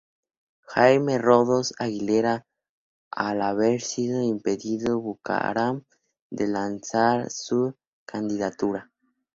Jaime Roldós Aguilera al haber sido impedido Bucaram de lanzar su candidatura.